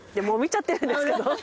もう見ちゃってるんですけど。